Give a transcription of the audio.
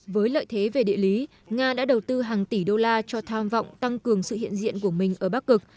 với lợi thế về địa lý nga đã đầu tư hàng tỷ đô la cho tham vọng tăng cường sự hiện diện của mình ở bắc cực